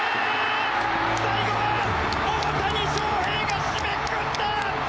最後は大谷翔平が締めくくった！